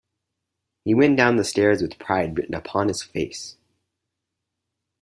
He went down the stairs with pride written upon his face.